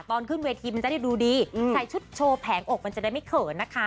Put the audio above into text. ตอนขึ้นเวทีมันจะได้ดูดีใส่ชุดโชว์แผงอกมันจะได้ไม่เขินนะคะ